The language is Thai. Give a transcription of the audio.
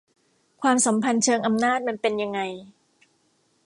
ความสัมพันธ์เชิงอำนาจมันเป็นยังไง